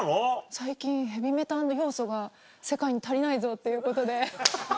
最近ヘビメタの要素が世界に足りないぞっていうことで。